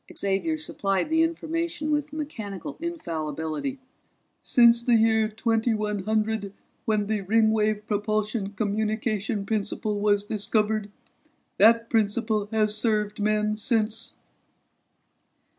Xavier supplied the information with mechanical infallibility. "Since the year 2100 when the Ringwave propulsion communication principle was discovered. That principle has served men since."